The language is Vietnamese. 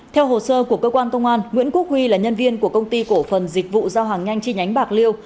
theo hồ sơ của cơ quan công an nguyễn quốc huy là nhân viên của công ty cổ phần dịch vụ giao hàng nhanh chi nhánh bạc liêu